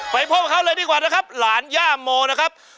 ไปพบเขาเลยดีกว่านะครับหลานย่าโมนะครับ